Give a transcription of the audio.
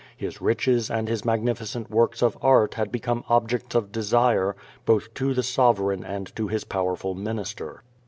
His riches and his magnificent works of art had become objects of de sire both to the sovereign and to his powerful minister.